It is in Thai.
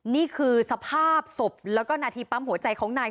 นี่คือสภาพศพแล้วก็นาทีปั๊มหัวใจของนาย